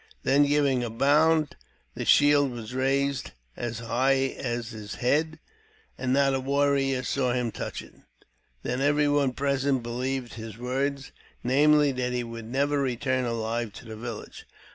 Then, giving a bound, the shield was raised as high as his head, and not a warrior saw him touch it. Then every one present believed his words, namely, that he would never return alive to the village.